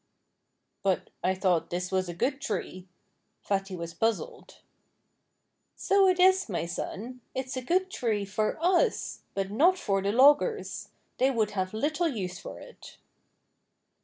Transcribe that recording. "But I thought this was a good tree." Fatty was puzzled. "So it is, my son! It's a good tree for us. But not for the loggers. They would have little use for it."